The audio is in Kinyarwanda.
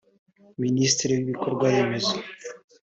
Minisitiri w’ibikorwaremezo